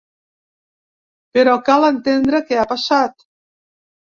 Però cal entendre què ha passat.